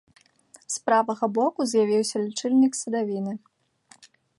З правага боку з'явіўся лічыльнік садавіны.